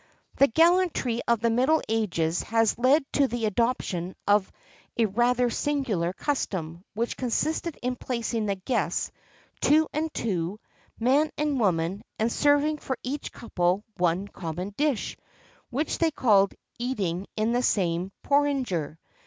[XXXII 72] The gallantry of the middle ages had led to the adoption of a rather singular custom, which consisted in placing the guests two and two, man and woman, and serving for each couple one common dish, which they called "eating in the same porringer."